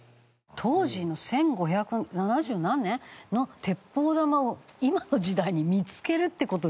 当時の１５７０何年の鉄砲玉を今の時代に見つけるって事自体が。